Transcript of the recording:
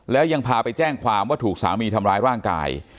แล้วยังพาไปแจ้งความว่าถูกสามีทำร้ายร่างกาย